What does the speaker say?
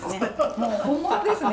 もう本物ですね。